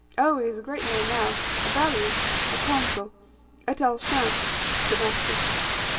Oh, he is a great man now; a balyuz (a consul) at El Scham" (Damascus.)